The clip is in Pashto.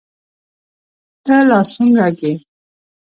ته لا سونګه ږې.